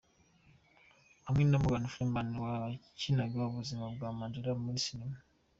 Hamwe na Morgan Freeman wakinaga ubuzima bwa Mandela muri cinema.